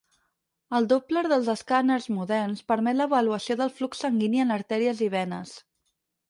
El Doppler dels escàners moderns permet l'avaluació del flux sanguini en artèries i venes.